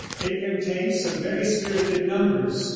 It contains some very spirited numbers.